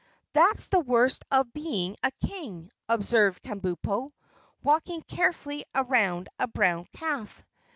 "That's the worst of being a King," observed Kabumpo, walking carefully around a brown calf.